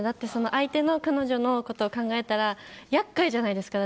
相手の彼女のことを考えたら厄介じゃないですか。